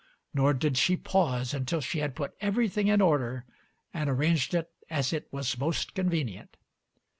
Nor did she pause until she had put everything in order and arranged it as it was most convenient.